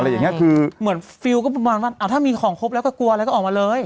อะไรอย่างเงี้ยคือเหมือนอ่าถ้ามีของครบแล้วก็กลัวแล้วก็ออกมาเลย